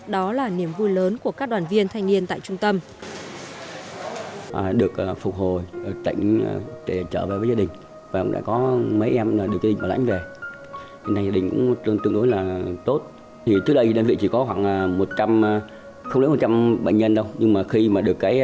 đó là niềm vui lớn của các đoàn viên thanh niên tại trung tâm